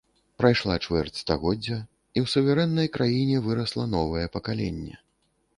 Прайшла чвэрць стагоддзя, і ў суверэннай краіне вырасла новае пакаленне.